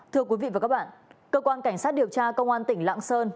thưa quý vị và các bạn cơ quan cảnh sát điều tra công an tỉnh lạng sơn